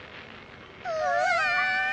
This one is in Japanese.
うわ！